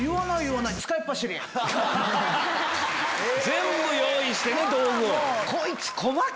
全部用意してね道具を。